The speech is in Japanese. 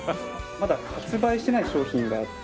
まだ発売してない商品があって。